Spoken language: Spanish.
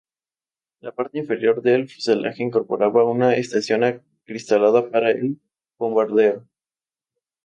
La parte inferior del fuselaje incorporaba una estación acristalada para el bombardero.